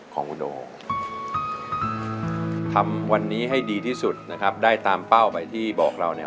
ของคุณโอทำวันนี้ให้ดีที่สุดนะครับได้ตามเป้าไปที่บอกเราเนี่ย